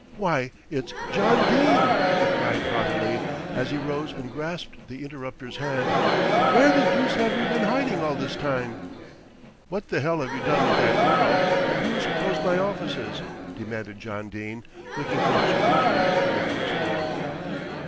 "Why, it's John Dene!" he cried heartily, as he rose and grasped the interrupter's hand. "Where the deuce have you been hiding all this time?" "What the hell have you done with that girl, and who's closed my offices?" demanded John Dene, looking from Sir Bridgman to the First Lord.